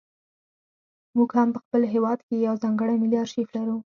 موږ هم په خپل هېواد کې یو ځانګړی ملي ارشیف لرو.